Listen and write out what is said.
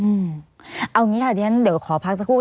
เอาอย่างนี้ค่ะเดี๋ยวขอพักสักครู่